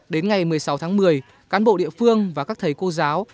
đến ngày một mươi sáu tháng một mươi cán bộ địa phương và các thầy cô giáo